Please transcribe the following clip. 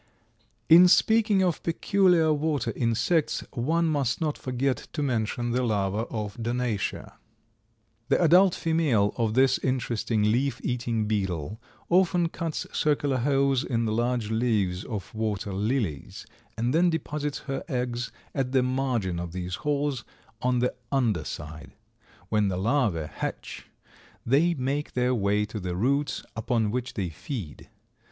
In speaking of peculiar water insects one must not forget to mention the larva of Donacia. The adult female of this interesting leaf eating beetle often cuts circular holes in the large leaves of water lilies, and then deposits her eggs at the margin of these holes on the under side. When the larvæ hatch they make their way to the roots, upon which they feed.